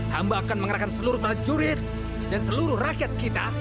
hamba akan mengerahkan seluruh prajurit dan seluruh rakyat kita